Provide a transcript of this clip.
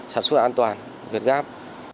sản xuất an toàn việt gáp